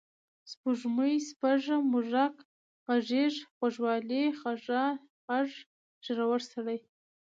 سپوږمۍ، سپږه، موږک، غږیز، غوږ والۍ، خَږا، شَږ، ږېرور سړی